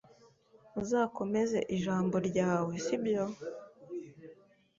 Uzakomeza ijambo ryawe, sibyo?